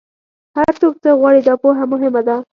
هر څوک څه غواړي، دا پوهه مهمه ده.